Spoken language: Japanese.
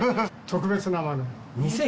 特別な豆。